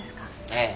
ええ。